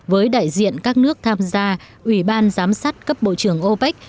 với đại diện các nước tham gia ủy ban giám sát cấp bộ trưởng opec